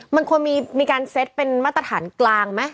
มันควรมีการเซ็ตเป็นมาตรฐานกลางไหม